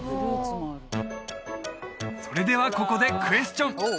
それではここでクエスチョン！